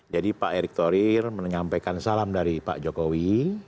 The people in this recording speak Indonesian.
jadi pak erick thohir menyampaikan salam dari pak jokowi